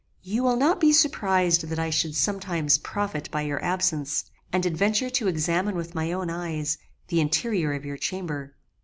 "You will not be surprized that I should sometimes profit by your absence, and adventure to examine with my own eyes, the interior of your chamber.